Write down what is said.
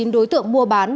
chín đối tượng mua bán